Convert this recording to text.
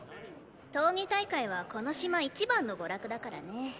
闘技大会はこの島一番の娯楽だからね。